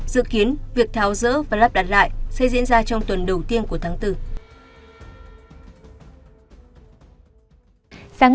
dự kiến việc tháo rỡ và lắp đặt lại sẽ diễn ra trong tuần đầu tiên của tháng bốn